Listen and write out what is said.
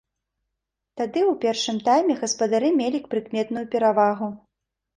Тады ў першым тайме гаспадары мелі прыкметную перавагу.